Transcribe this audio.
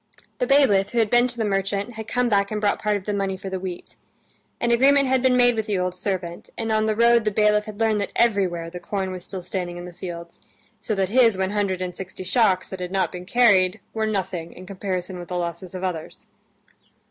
The bailiff, who had been to the merchant, had come back and brought part of the money for the wheat. An agreement had been made with the old servant, and on the road the bailiff had learned that everywhere the corn was still standing in the fields, so that his one hundred and sixty shocks that had not been carried were nothing in comparison with the losses of others.